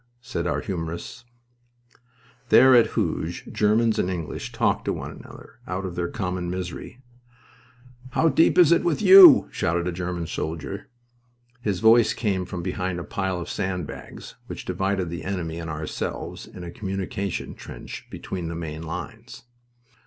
said our humorists. There, at Hooge, Germans and English talked to one another, out of their common misery. "How deep is it with you?" shouted a German soldier. His voice came from behind a pile of sand bags which divided the enemy and ourselves in a communication trench between the main lines.